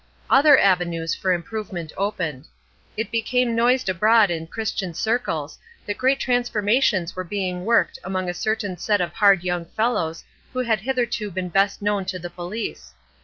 Other avenues for improvement opened. It became noised abroad in Christian circles that great transformations were being worked among a certain set of hard young fellows who had hitherto been best known to the police.